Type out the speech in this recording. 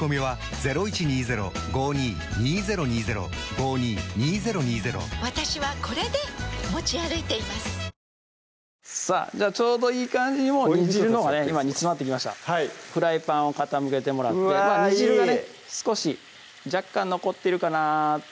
僕たちねちょうどいい感じに煮汁のほうが今煮詰まってきましたフライパンを傾けてもらって煮汁がね少し若干残ってるかなって